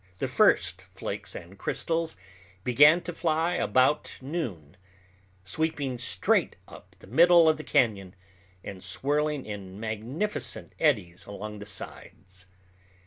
The first flakes and crystals began to fly about noon, sweeping straight up the middle of the cañon, and swirling in magnificent eddies along the sides.